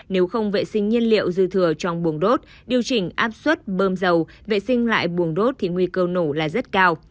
nếu không vệ sinh nhiên liệu dư thừa trong buồng đốt điều chỉnh áp suất bơm dầu vệ sinh lại buồng đốt thì nguy cơ nổ là rất cao